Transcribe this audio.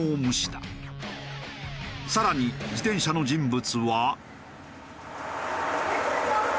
さらに自転車の人物は。